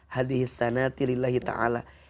hadis sanatilillah ta'ala